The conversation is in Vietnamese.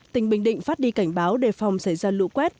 tỉnh bình định phát đi cảnh báo đề phòng xảy ra lũ quét